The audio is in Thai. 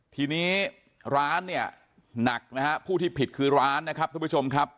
ทีนี้ร้านเนี่ยหนักนะฮะผู้ที่ผิดคือร้านนะครับทุกผู้ชมครับ